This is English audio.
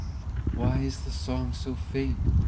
"Why is the song so faint?"